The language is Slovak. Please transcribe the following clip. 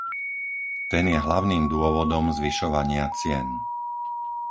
Ten je hlavným dôvodom zvyšovania cien.